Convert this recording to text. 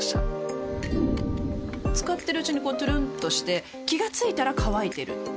使ってるうちにこうトゥルンとして気が付いたら乾いてる